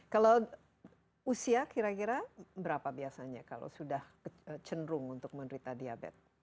kalau usia kira kira berapa biasanya kalau sudah cenderung untuk menderita diabetes